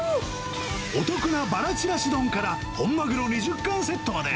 お得なばらちらし丼から、本マグロ２０貫セットまで。